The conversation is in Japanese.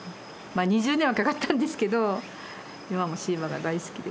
まあ２０年はかかったんですけど今はもう椎葉が大好きです。